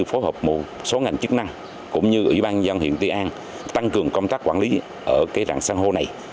phối hợp một số ngành chức năng cũng như ủy ban dân huyện tuy an tăng cường công tác quản lý ở rạng san hô này